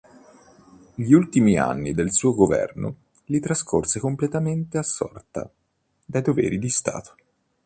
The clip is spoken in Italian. Gli ultimi anni del suo governo li trascorse completamente assorta dai doveri di stato.